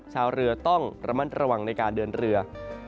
ชาวเรือต้องระมัดระวังในการเดินเรือ